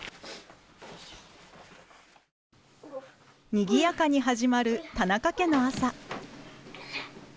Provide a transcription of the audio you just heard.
にぎやかに始まる田中家の朝。